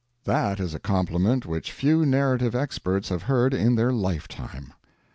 That is a compliment which few narrative experts have heard in their lifetime.